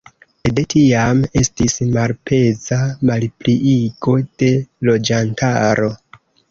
De tiam, estis malpeza malpliigo de loĝantaro.